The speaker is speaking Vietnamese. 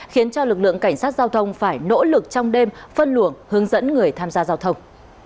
khiến cho lực lượng cảnh sát giao thông phải nỗ lực trong đêm phân luồng hướng dẫn người tham gia giao thông